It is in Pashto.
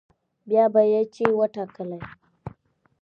بيا به يې چې وټاکلې